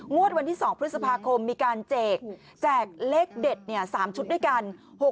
วันที่๒พฤษภาคมมีการแจกแจกเลขเด็ด๓ชุดด้วยกัน